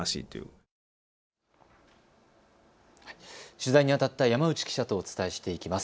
取材にあたった山内記者とお伝えしていきます。